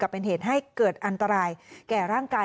เป็นเหตุให้เกิดอันตรายแก่ร่างกาย